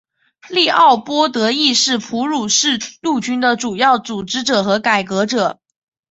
利奥波德亦是普鲁士陆军的主要组织者和改革者。